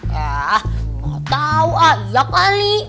yah gak tau azak kali